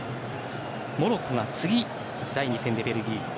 モロッコが次第２戦でベルギー。